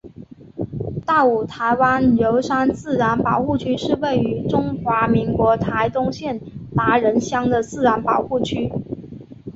大武台湾油杉自然保护区是位于中华民国台东县达仁乡的自然保护区。